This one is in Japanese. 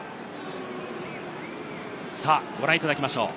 さぁ、ご覧いただきましょう。